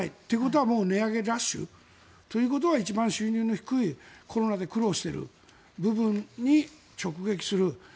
ということはもう値上げラッシュということは一番収入の低いコロナで苦労している部分に直撃する。